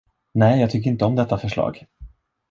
Nej, jag tycker inte om detta förslag.